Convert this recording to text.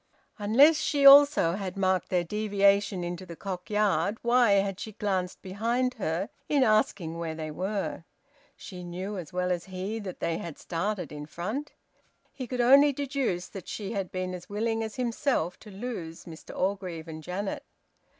Unless she also had marked their deviation into the Cock Yard, why had she glanced behind her in asking where they were? She knew as well as he that they had started in front. He could only deduce that she had been as willing as himself to lose Mr Orgreave and Janet.